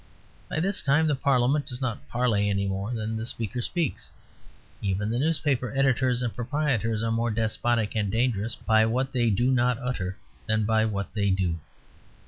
By this time the Parliament does not parley any more than the Speaker speaks. Even the newspaper editors and proprietors are more despotic and dangerous by what they do not utter than by what they do.